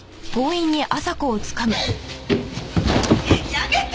やめて！